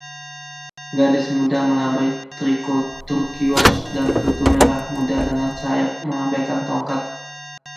Gadis muda melambai triko turquiose dan tutu merah muda dengan sayap melambaikan tongkat.